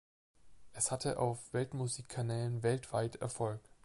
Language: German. Es hatte auf Weltmusik-Kanälen weltweit Erfolg.